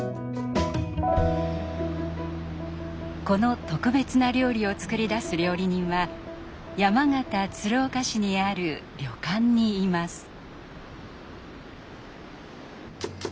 この特別な料理を作り出す料理人は山形・鶴岡市にある旅館にいます。